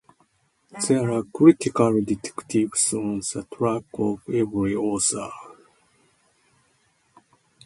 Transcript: There are critical detectives on the track of every author.